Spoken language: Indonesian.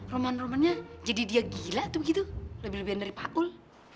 roman roman jadi dia gila atau begitu lebih lebih dari pak ul